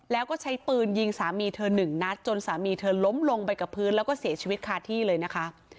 แล้วก็ใช้ปืนยิงสามีเธอหนึ่งนัดจนสามีเธอล้มลงไปกับพื้นแล้วก็เสียชีวิตคาที่เลยนะคะ